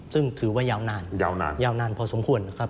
ซึ่งถือว่ายาวนานประสงควร